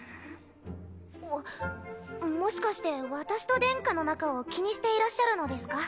あっもしかして私と殿下の仲を気にしていらっしゃるのですか？